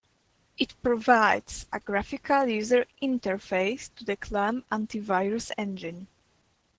It provides a graphical user interface to the Clam AntiVirus engine.